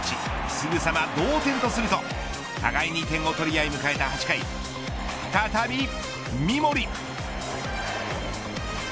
すぐさま同点とすると互いに点を取り合い迎えた８回再び三森。